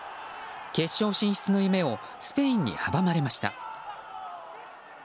決勝進出の夢をスペインに阻まれました。